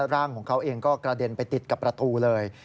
ร่างของเขาเองก็กระเด็นไปติดกับประตูเลย